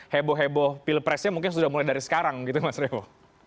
heboh heboh pilpresnya mungkin sudah mulai dari sekarang gitu mas revo